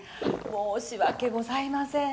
申し訳ございません。